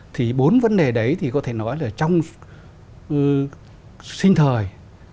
thì bốn vấn đề đấy thì có thể nói là trong sinh thời